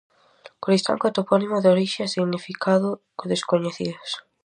Coristanco é topónimo de orixe e significado descoñecidos.